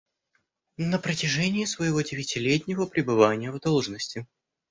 На протяжении своего девятилетнего пребывания в должности.